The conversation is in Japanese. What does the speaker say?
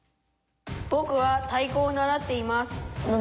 「ぼくは太鼓を習っています」。